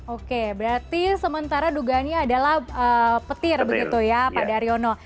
oke berarti sementara dugaannya adalah petir begitu ya pak daryono